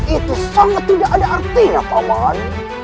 itu sangat tidak ada artinya paman